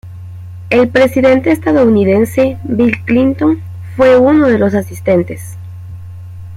El presidente estadounidense, Bill Clinton fue uno de los asistentes.